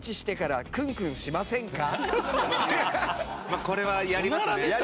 まあこれはやりますね。